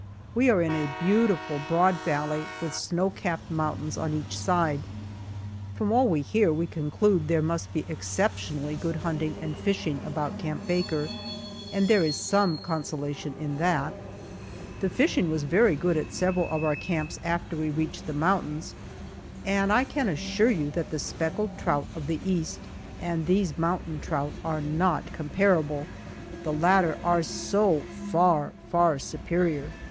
We are in a beautiful broad valley with snow capped mountains on each side. From all we hear we conclude there must be exceptionally good hunting and fishing about Camp Baker, and there is some consolation in that. The fishing was very good at several of our camps after we reached the mountains, and I can assure you that the speckled trout of the East and these mountain trout are not comparable, the latter are so far, far superior.